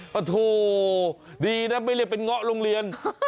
โอ้โหดีนะไม่เรียกเป็นเงาะโรงเรียน